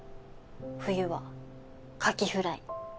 冬はカキフライ。